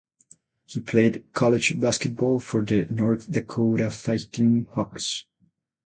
He played college basketball for the North Dakota Fighting Hawks.